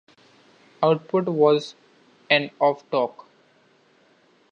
Output was and of torque.